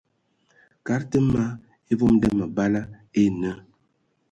Kad tə ma vom nda məbala e nə.